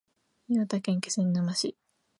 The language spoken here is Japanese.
岩手県気仙沼市